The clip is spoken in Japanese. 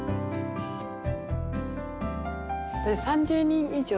３０人以上？